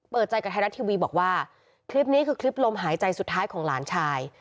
เปิดใจกับไทยรัฐทีวีบอกว่าคลิปนี้คือคลิปลมหายใจสุดท้ายของหลานชาย